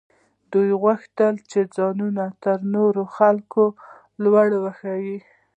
دوی غوښتل چې ځانونه تر نورو خلکو لوړ وښيي.